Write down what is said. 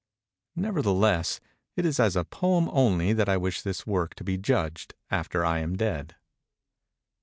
Nevertheless it is as a Poem only that I wish this work to be judged after I am dead.